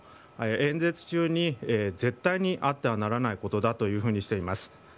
演説中に絶対にあってはならないことだというふうにしています。